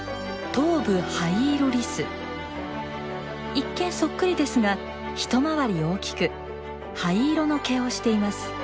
一見そっくりですが一回り大きく灰色の毛をしています。